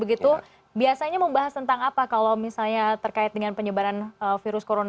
begitu biasanya membahas tentang apa kalau misalnya terkait dengan penyebaran virus corona